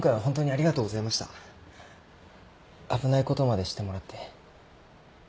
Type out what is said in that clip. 危ないことまでしてもらって。